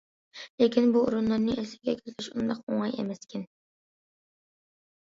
لېكىن بۇ ئورۇنلارنى ئەسلىگە كەلتۈرۈش ئۇنداق ئوڭاي ئەمەسكەن.